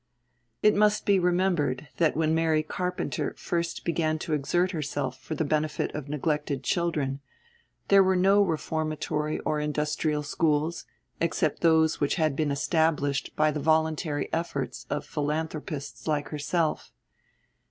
It must be remembered that when Mary Carpenter first began to exert herself for the benefit of neglected children, there were no reformatory or industrial schools, except those which had been established by the voluntary efforts of philanthropists like herself.